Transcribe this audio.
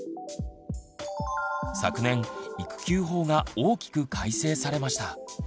昨年「育休法」が大きく改正されました。